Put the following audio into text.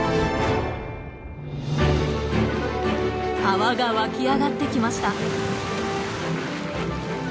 泡がわき上がってきました。